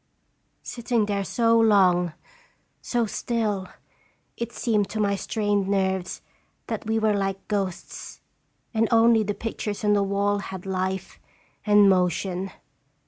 Sitting there so long, so still, it seemed to my strained nerves that we were like ghosts, and only the pictures on the wall had life and motion.